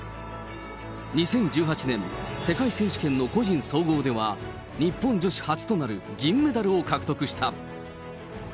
２０１８年、世界選手権の個人総合では、日本女子初となる銀メダルを獲得した。